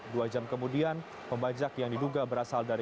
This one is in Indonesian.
dua jam kemudian pembajak yang diduga berasal dari